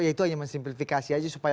ya itu hanya mensimplifikasi aja supaya